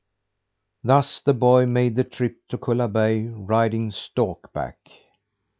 Thus the boy made the trip to Kullaberg, riding stork back.